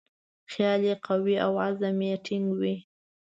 خیال یې قوي او عزم یې ټینګ وي.